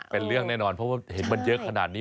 เป็นเรื่องแน่นอนเพราะว่าเห็นมันเยอะขนาดนี้